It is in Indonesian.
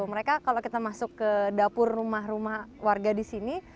mereka kalau kita masuk ke dapur rumah rumah warga di sini